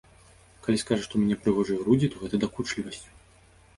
Калі скажа, што ў мяне прыгожыя грудзі, то гэта дакучлівасць.